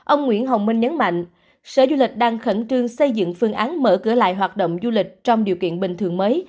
ông nguyễn hồng minh nhấn mạnh sở du lịch đang khẩn trương xây dựng phương án mở cửa lại hoạt động du lịch trong điều kiện bình thường mới